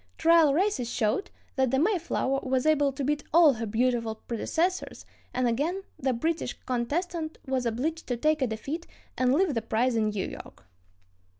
Trial races showed that the Mayflower was able to beat all her beautiful predecessors, and again the British contestant was obliged to take a defeat and leave the prize in New York.